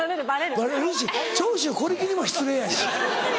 バレるし長州小力にも失礼やし。